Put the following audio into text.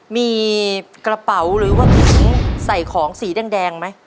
มีกระเป๋าหรือว่าถุงใส่ของสีแดงไหม